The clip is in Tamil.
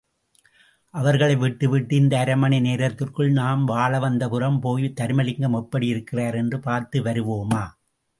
அவர்களை விட்டுவிட்டு இந்த அரைமணி நேரத்திற்குள் நாம் வாழவந்தபுரம் போய், தருமலிங்கம் எப்படி இருக்கிறார் என்று பார்த்து வருவோமா!